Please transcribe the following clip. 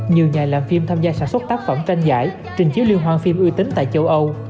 nhiều nhà làm phim tham gia sản xuất tác phẩm tranh giải trình chiếu liên hoan phim uy tín tại châu âu